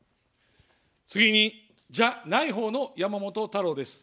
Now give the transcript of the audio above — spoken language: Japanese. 次に、じゃないほうの山本太郎です。